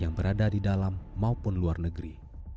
yang berada di dalam maupun luar negeri